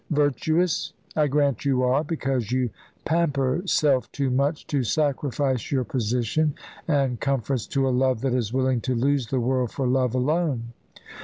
Virtuous! I grant you are because you pamper self too much to sacrifice your position and comforts to a love that is willing to lose the world for love alone.